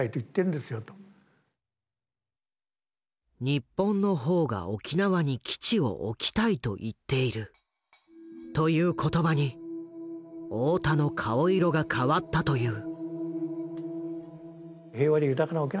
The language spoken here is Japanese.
「日本の方が沖縄に基地を置きたいと言っている」という言葉に大田の顔色が変わったという。